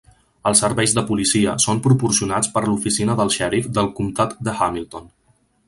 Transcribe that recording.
Els serveis de policia són proporcionats per l'Oficina del Xèrif del Comtat de Hamilton